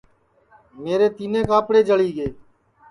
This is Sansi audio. میرے تِینیں کاپڑے جݪی گے